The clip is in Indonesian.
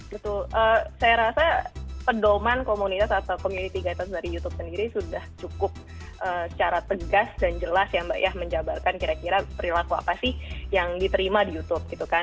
betul saya rasa pedoman komunitas atau community guidance dari youtube sendiri sudah cukup secara tegas dan jelas ya mbak ya menjabarkan kira kira perilaku apa sih yang diterima di youtube gitu kan